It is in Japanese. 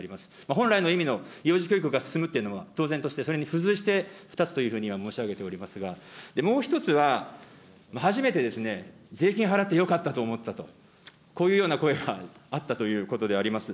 本来の意味の幼児教育が進むってのは、当然として、それに付随して２つというふうには申し上げておりますが、もう１つは、初めてですね、税金払ってよかったと思ったと、こういうような声があったということであります。